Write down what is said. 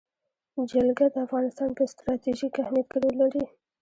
جلګه د افغانستان په ستراتیژیک اهمیت کې رول لري.